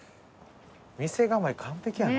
店構え完璧やな。